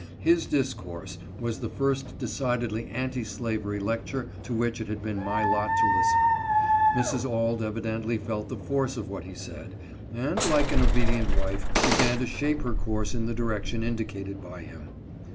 His discourse was the first de cidedly anti slavery lecture to which it had been my lot to listen. Mrs. Auld evidently felt the force of what he said, and, like an obedient wife, began to shape her course in the direction indicated by him.